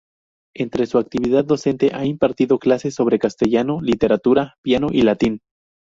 Entre su actividad docente ha impartido clases sobre castellano, literatura, piano y latín.